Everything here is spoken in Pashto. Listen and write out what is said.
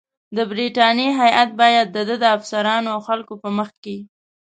د برټانیې هیات باید د ده د افسرانو او خلکو په مخ کې.